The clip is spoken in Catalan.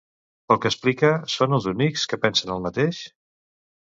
Pel que explica, són els únics que pensen el mateix?